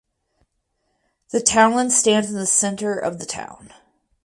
The townland stands in the centre of the town.